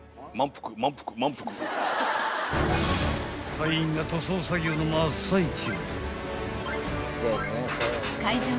［隊員が塗装作業の真っ最中］